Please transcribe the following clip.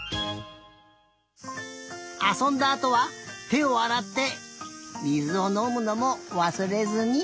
あそんだあとはてをあらってみずをのむのもわすれずに。